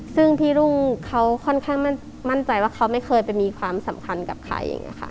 ซึ่งพี่รุ่งเขาค่อนข้างมั่นใจว่าเขาไม่เคยไปมีความสำคัญกับใครอย่างนี้ค่ะ